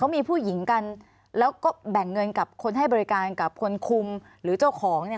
มีผู้หญิงกันแล้วก็แบ่งเงินกับคนให้บริการกับคนคุมหรือเจ้าของเนี่ย